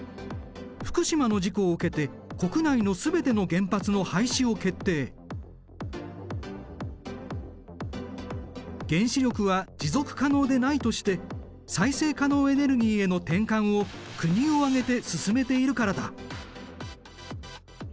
福島の事故を受けて原子力は持続可能でないとして再生可能エネルギーへの転換を国を挙げて進めているからだ。